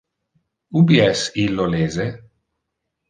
Ubi es illo lese?